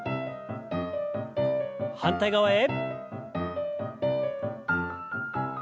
反対側へ。